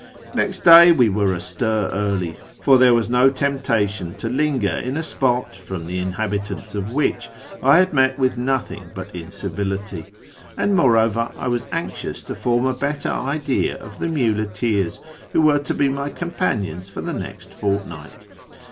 Next day we were astir early, for there was no temptation to linger in a spot from the inhabitants of which I had met with nothing but incivility ; and, moreover, I was anxious to form a better idea of the muleteers who were to be my com panions for the next fortnight.